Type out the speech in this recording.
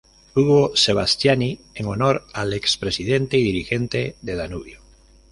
Hugo Sebastiani en honor al ex-presidente y dirigente de Danubio.